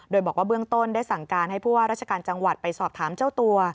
โดยบอกว่าเบื้องต้นได้สั่งการให้ผู้ว่าราชการจังหวัดไปสอบถามเจ้าตัว